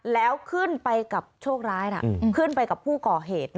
แล้วขึ้นไปกับโชคร้ายขึ้นไปกับผู้ก่อเหตุ